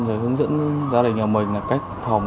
rồi hướng dẫn gia đình nhà mình cách phòng